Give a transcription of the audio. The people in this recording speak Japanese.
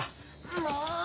もう！